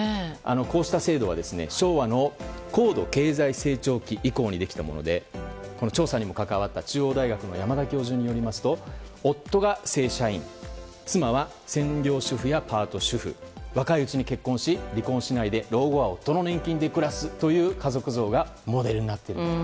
こうした制度は昭和の高度経済成長期以降にできたものでこの調査にも関わった中央大学の山田教授によりますと夫が正社員妻は専業主婦やパート主婦若いうちに結婚し、離婚しないで老後は夫の年金で暮らすという家族像がモデルになっていると。